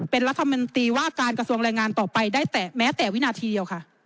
เป็นรัฐมนตรีว่าการกระทรวงแรงงานต่อไปได้แต่แม้แต่วินาทีเดียวค่ะ